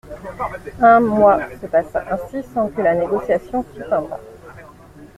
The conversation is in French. Un mois se passa ainsi sans que le négociation fît un pas.